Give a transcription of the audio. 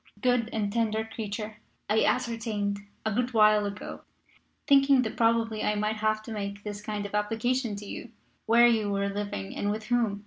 "Good and Tender Creature, I ascertained, a good while ago, thinking that probably I might have to make this kind of application to you, where you were living and with whom.